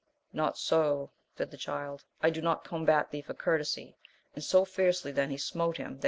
Not so, said the Child, I do not combat thee for courtesy ! and so fiercely then he smote him that